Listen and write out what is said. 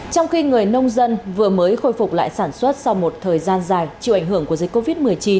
trong khi người nông dân vừa mới khôi phục lại sản xuất sau một thời gian dài chịu ảnh hưởng của dịch covid một mươi chín